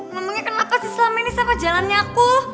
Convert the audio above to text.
ngomongnya kenapa sih selama ini siapa jalannya aku